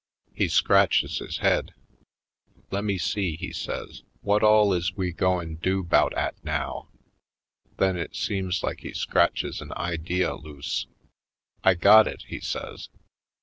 He scratches his head. "Lemme see," he says, *Vhut all is we goin' do 'bout 'at now?" Then it seems like he scratches an idea loose. ^'I got it," he says.